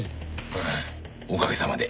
ああおかげさまで。